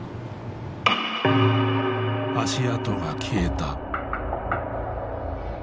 足跡が消えた。